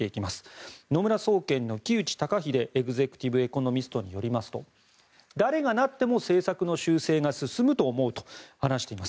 野村総研の木内登英エグゼクティブ・エコノミストによりますと誰がなっても政策の修正が進むと思うと話しています。